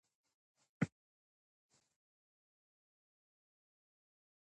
کعبه مکعب بڼه لري او په پوښ کې پټه ده.